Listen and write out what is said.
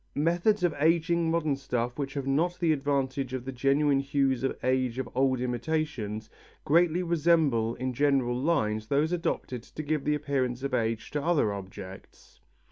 Methods of ageing modern stuffs which have not the advantage of the genuine hues of age of old imitations, greatly resemble in general lines those adopted to give an appearance of age to other objects.